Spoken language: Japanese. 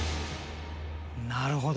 なるほど。